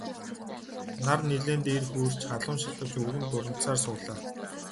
Нар нэлээд дээр хөөрч халуун шатавч өвгөн дурандсаар суулаа.